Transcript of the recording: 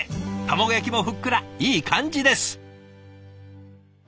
卵焼きもふっくらいい感じです。